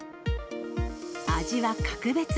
味は格別。